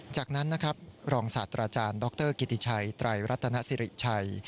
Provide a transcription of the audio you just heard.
จากนั้นนะครับรองศาสตราจารย์ดรกิติชัยไตรรัตนสิริชัย